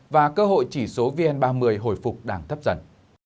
và cơ hội chỉ số vn ba mươi hồi phục đang thấp dần